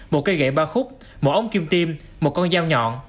một cây gậy ba khúc một ống kim tim một con dao nhọn